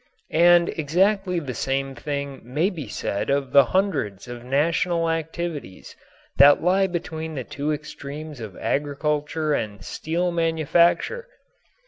And exactly the same thing may be said of the hundreds of national activities that lie between the two extremes of agriculture and steel manufacture!